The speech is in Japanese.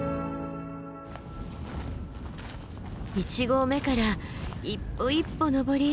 １合目から一歩一歩登り